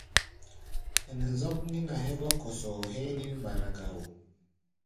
Ɛnɛ zɔ́k nín-a hégɔ́ kosoo héé nín-mgbara ga wo.